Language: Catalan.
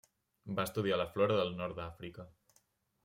Va estudiar la flora del nord d'Àfrica.